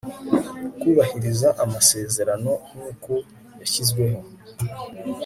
kubahiriza amasezerano nk uko yashyizweho